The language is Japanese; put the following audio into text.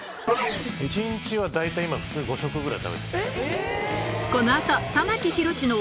一日は大体今普通５食ぐらい食べてます。